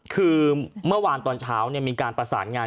คือเมื่อวานตอนเช้ามีการประสานงาน